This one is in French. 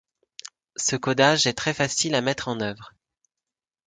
Ce codage est très facile à mettre en œuvre.